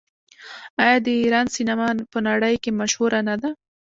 آیا د ایران سینما په نړۍ کې مشهوره نه ده؟